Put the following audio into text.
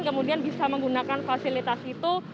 kemudian bisa menggunakan fasilitas itu